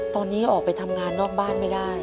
ตอนนี้ออกไปทำงานนอกบ้านไม่ได้